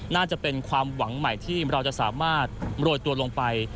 น่าจะเป็นความหวังใหม่ที่เราจะสามารถโรยตัวลงไป